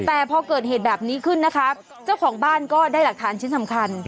แต่พอเกิดเหตุแบบนี้ขึ้นนะคะเจ้าของบ้านก็ได้หลักฐานชิ้นสำคัญ